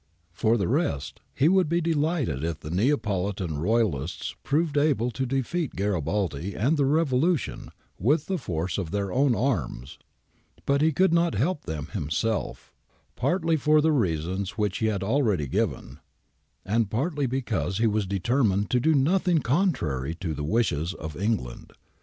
For the rest, he would 1 Garibaldi and the Thousand, pp. 185 186. FRENCH ADVICE ADOPTED 13 be delighted if the Neapolitan Royalists proved able to defeat Garibaldi and the revolution with the force of their own arms, but he could not help them himself, partly for the reasons which he had already given, and partly because he was determined to do nothing con trary to the wishes of England.